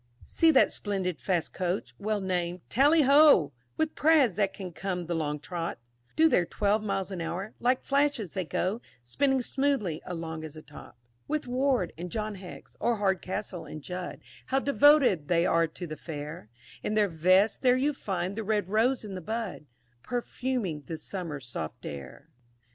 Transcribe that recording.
See that splendid fast Coach, well named "TALLY HO," With prads that can come the long trot; Do their twelve miles an hour like flashes they go, Spinning smoothly along as a top. 2. With Ward and John Hex, or Hardcastle and Judd, How devoted they are to the fair; In their vests there you find the red rose in the bud, Perfuming the Summer soft air.